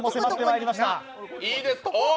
いいですか？